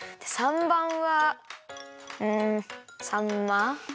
３ばんはうんさんま？